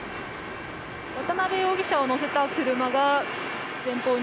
渡邉容疑者を乗せた車が前方に。